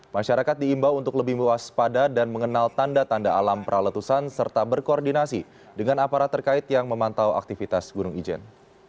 masyarakat diimbau untuk lebih mewaspada dan mengenal tanda tanda alam praletusan serta berkoordinasi dengan aparat terkait yang memantau aktivitas gunung ijen